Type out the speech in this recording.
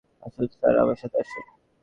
আসুন স্যার, আমার সাথে আসুন।